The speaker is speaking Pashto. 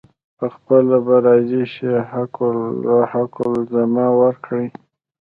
پخپله به راضي شي حق الزحمه ورکړي.